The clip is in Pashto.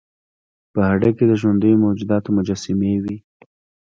په هډه کې د ژوندیو موجوداتو مجسمې وې